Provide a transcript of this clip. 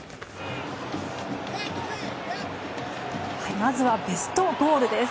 まずはベストゴールです。